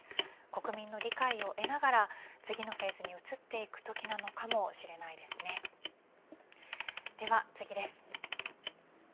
国民の理解を得ながら次のフェーズに移っていくときなのかもしれないですねでは次です。